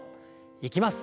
いきます。